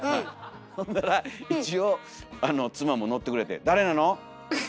ほんだら一応妻も乗ってくれて「誰なの？」。